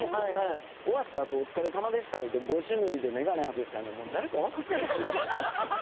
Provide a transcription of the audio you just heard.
終わったあとお疲れさまでしたって言って帽子と眼鏡を外したら誰だか分からないんですよ。